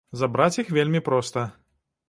Забраць іх вельмі проста.